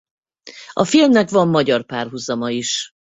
A filmnek van magyar párhuzama is.